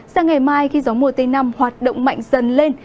sang ngày mai khi gió mùa tây nam hoạt động mạnh dần lên